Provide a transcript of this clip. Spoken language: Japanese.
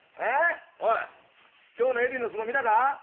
おい今日のエディの相撲見たか？